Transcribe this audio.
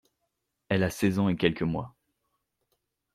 Elle a seize ans et quelques mois!